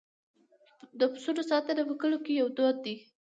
د پسونو ساتنه په کلیو کې یو دود دی.